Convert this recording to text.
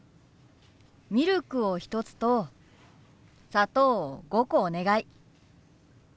ミルクを１つと砂糖を５個お願い。